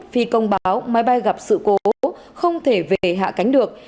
phi công báo máy bay gặp sự cố không thể về hạ cánh được